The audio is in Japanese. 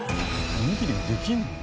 おにぎりできるの？